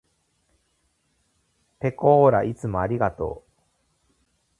ぺこーらいつもありがとう。